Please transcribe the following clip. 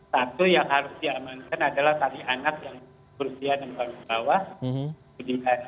satu yang harus diamankan adalah tari anak yang berusia enam tahun ke bawah